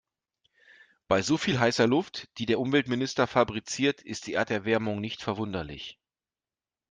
Bei so viel heißer Luft, die der Umweltminister fabriziert, ist die Erderwärmung nicht verwunderlich.